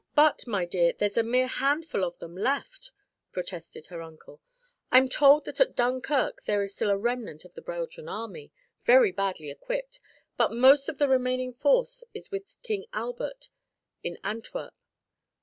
"But, my dear, there's a mere handful of them left," protested her uncle. "I'm told that at Dunkirk there is still a remnant of the Belgian army very badly equipped but most of the remaining force is with King Albert in Antwerp.